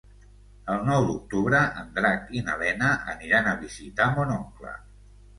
El nou d'octubre en Drac i na Lena aniran a visitar mon oncle.